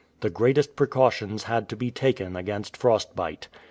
The greatest precautions had to be taken against frostbite.